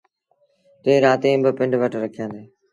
ٽيٚه رآتيٚن پنڊ وٽ رکيآݩدي۔